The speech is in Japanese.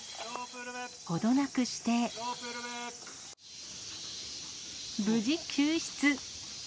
程なくして、無事、救出。